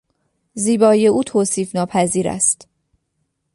زیبایی او توصیفناپذیر است.